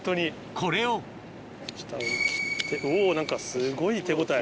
これをおぉ何かすごい手応え。